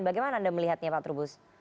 bagaimana anda melihatnya pak trubus